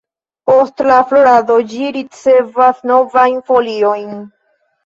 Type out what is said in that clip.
Post la florado ĝi ricevas novajn foliojn.